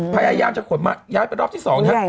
พยายามจะขนมาย้ายเป็นรอบที่สอง